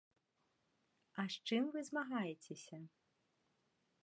А з чым вы змагаецеся?